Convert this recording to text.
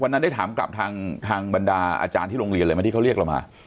ได้ถามกลับทางบรรดาอาจารย์ที่โรงเรียนเลยไหมที่เขาเรียกเรามา